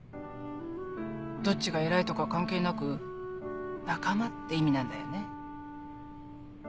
どっちが偉いとか関係なく「仲間」って意味なんだよね。